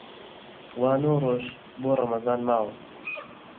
وا نۆ ڕۆژ بۆ ڕەمەزان ماوە